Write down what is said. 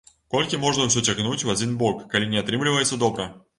Колькі можна ўсё цягнуць у адзін бок, калі не атрымліваецца добра?!